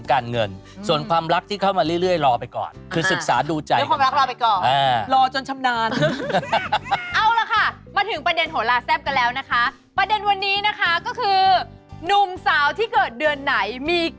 แต่เพิ่งมารู้สึกว่ามันไม่ใช่